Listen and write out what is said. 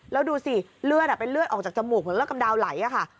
แล้วดูสิเลือดเป็นเลือดออกจากจมูกเหมือนเลือดกำดาวไหลค่ะ